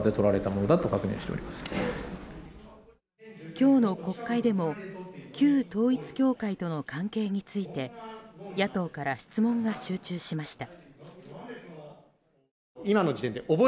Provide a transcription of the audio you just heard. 今日の国会でも旧統一教会との関係について、野党から質問が集中しました。